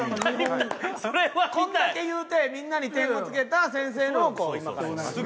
こんだけ言うてみんなに点を付けた先生のを今から見ます。